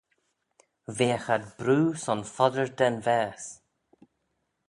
Veagh ad broo son foddyr da'n vaase.